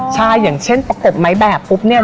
ใช่อย่างเช่นประกบไม้แบบปุ๊บเนี่ย